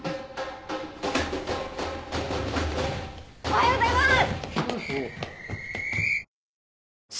おはようございます！